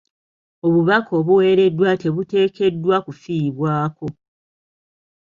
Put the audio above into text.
Obubaka obuweereddwa tebuteekeddwa kufiibwako.